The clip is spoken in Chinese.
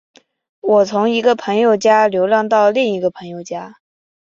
我从一个朋友家流浪到另一个朋友家。